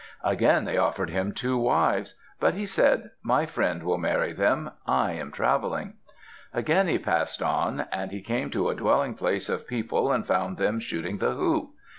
Again they offered him two wives. But he said, "My friend will marry them. I am traveling." Again he passed on. And he came to a dwelling place of people and found them shooting the hoop.